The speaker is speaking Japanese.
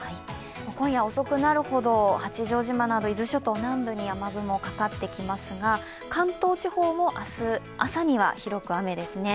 今夜遅くなるほど八丈島など伊豆諸島南部に雨雲もかかってきますが関東地方も明日朝には広く雨ですね。